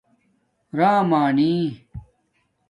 رام آنی